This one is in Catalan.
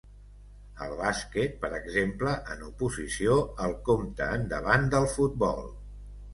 El bàsquet, per exemple, en oposició al compte endavant del futbol.